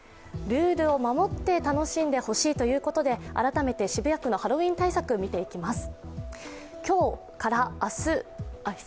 ルールを守って楽しんでほしいということで改めて渋谷区のハロウィーン対策を見ていきます。